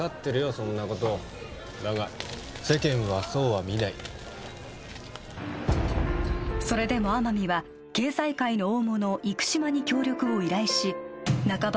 そんなことだが世間はそうは見ないそれでも天海は経済界の大物生島に協力を依頼し半ば